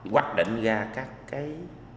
quách định ra các cái